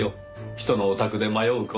人のお宅で迷う事。